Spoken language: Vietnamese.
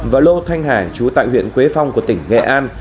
và lô thanh hải chú tại huyện quế phong của tỉnh nghệ an